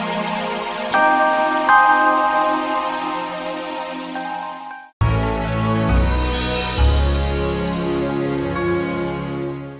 baik lah kita pingsur